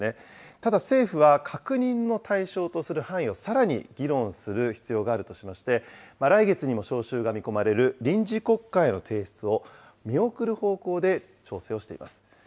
ただ政府は、確認の対象とする範囲をさらに議論する必要があるとしまして、来月にも召集が見込まれる臨時国会への提出を見送る方向で調整をしています。